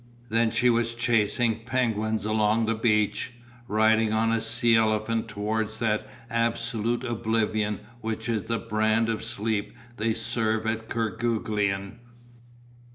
Then she was chasing penguins along the beach, riding on a sea elephant towards that absolute oblivion which is the brand of sleep they serve at Kerguelen.